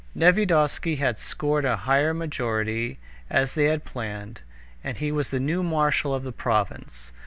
Nevyedovsky had scored a higher majority, as they had planned, and he was the new marshal of the province.